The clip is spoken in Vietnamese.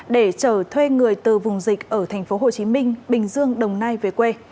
để chở thuê người từ vùng dịch ở tp hồ chí minh bình dương đồng nai về quê